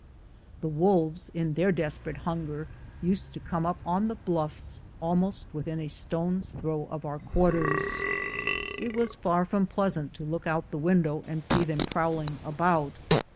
The wolves in their desperate hunger used to come up on the bluffs almost within a stone's throw of our quarters. It was far from pleasant to look out of the window and see them prowling about.